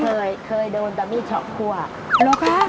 ไม่เคยเคยโดนแต่มีช็อกกลัว